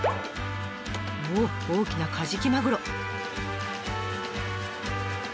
おお大きなカジキマグロ！